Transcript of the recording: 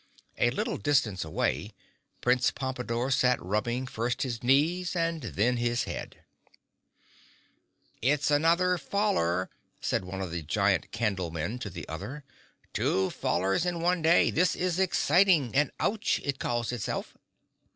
A little distance away Prince Pompadore sat rubbing first his knees and then his head. [Illustration: (unlabelled)] "It's another faller," said one of the giant Candlemen to the other. "Two fallers in one day! This is exciting—an 'Ouch' it calls itself!"